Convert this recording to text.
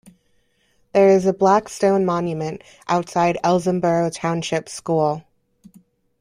There is a black stone monument outside the Elsinboro Township School.